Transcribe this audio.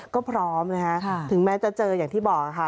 ก็พร้อมนะคะถึงแม้จะเจออย่างที่บอกค่ะ